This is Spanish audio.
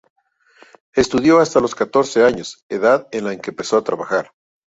Estudió hasta los catorce años, edad en la que empezó a trabajar.